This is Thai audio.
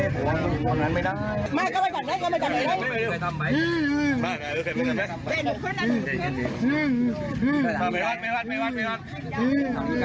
ไปวัดไปวัดไปวัด